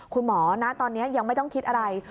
คุณหมอนะตอนนี้ยังไม่ต้องคิดอะไร